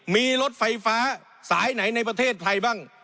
มีรถไฟฟ้าสายไหนในประเทศไทยบ้าง